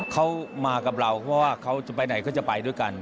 เขามากับเราเพราะว่าเขาจะไปไหนก็จะไปด้วยกัน